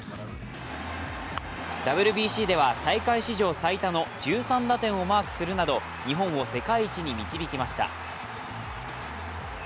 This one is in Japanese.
ＷＢＣでは大会史上最多の１３打点をマークするなど日本を世界一に導きました。